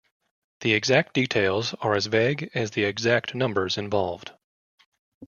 The exact details are as vague as the exact numbers involved.